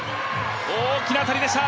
大きな当たりでした！